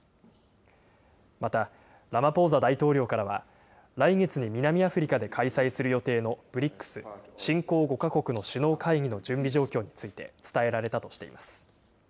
また、ラマポーザ大統領からは来月に南アフリカで開催する予定のＢＲＩＣＳ・新興５か国の首脳会議の準備状況について伝えられたとしています。